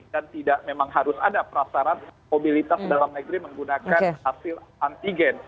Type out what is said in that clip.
dan tidak memang harus ada prasarat mobilitas dalam negeri menggunakan hasil antigen